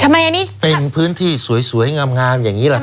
ทำไมอันนี้เป็นพื้นที่สวยงามอย่างนี้ล่ะครับ